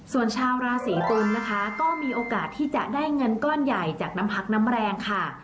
ส่วนชาวราศีตุลนะคะก็มีโอกาสที่จะได้เงินก้อนใหญ่จากน้ำพักน้ำแรงค่ะ